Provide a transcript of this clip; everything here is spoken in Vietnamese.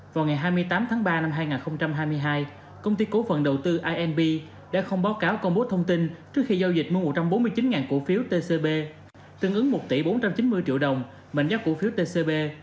vào ngày hai mươi tám tháng ba năm hai nghìn hai mươi hai công ty cổ phần đầu tư inb đã không báo cáo công bố thông tin trước khi giao dịch mua một trăm bốn mươi chín cổ phiếu tcb tương ứng một tỷ bốn trăm chín mươi triệu đồng mệnh giá cổ phiếu tcb